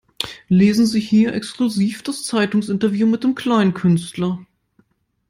Lesen sie hier exklusiv das Zeitungsinterview mit dem Kleinkünstler!